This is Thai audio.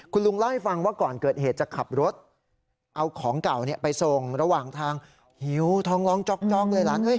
คุณลุงเล่าให้ฟังว่าก่อนเกิดเหตุจะขับรถเอาของเก่าไปส่งระหว่างทางหิวท้องร้องจ๊อกเลยหลาน